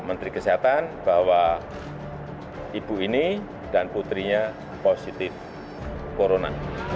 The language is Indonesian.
menteri kesehatan bahwa ibu ini dan putrinya positif corona